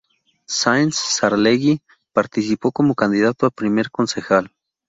Sáenz Saralegui participó como candidato a primer concejal.